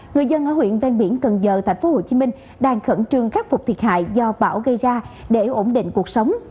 người dân ở huyện văn biển cần giờ thành phố hồ chí minh đang khẩn trương khắc phục thiệt hại do bão gây ra để ổn định cuộc sống